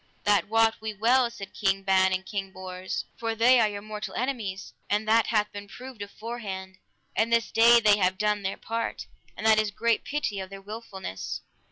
That wot we well, said King Ban and King Bors, for they are your mortal enemies, and that hath been proved aforehand; and this day they have done their part, and that is great pity of their wilfulness.